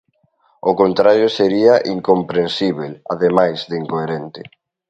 O contrario sería incomprensíbel, ademais de incoherente.